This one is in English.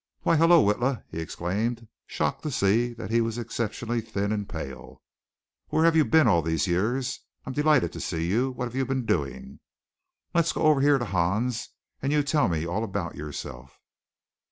"Why, hello, Witla!" he exclaimed, shocked to see that he was exceptionally thin and pale. "Where have you been all these years? I'm delighted to see you. What have you been doing? Let's go over here to Hahn's and you tell me all about yourself."